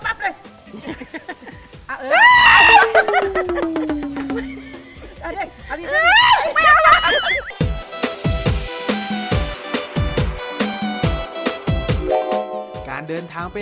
การเดินทางเป็นเท่าไหร่